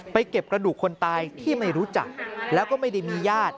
เก็บกระดูกคนตายที่ไม่รู้จักแล้วก็ไม่ได้มีญาติ